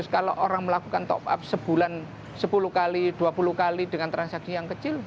kalau orang melakukan top up sebulan sepuluh kali dua puluh kali dengan transaksi yang kecil